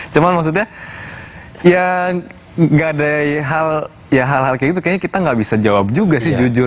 cuma maksudnya ya gak ada hal ya hal hal kayak gitu kayaknya kita nggak bisa jawab juga sih jujur